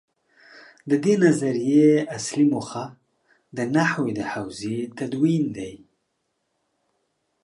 د دې نظریې اصلي موخه د نحوې د حوزې تدوین دی.